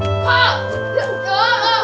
bukan apa ya